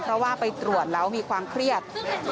เพราะว่าไปตรวจแล้วมีความเครียด